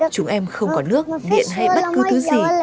chúng em không có nước điện hay bất cứ thứ gì